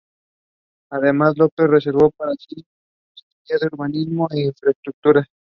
Además, López reservó para sí la concejalía de Urbanismo e Infraestructuras.